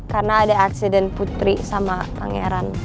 karena ada aksiden putri sama pangeran